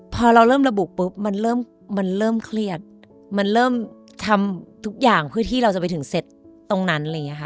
พอเราเริ่มระบุปุ๊บมันเริ่มเครียดมันเริ่มทำทุกอย่างเพื่อที่เราจะไปถึงเสร็จตรงนั้น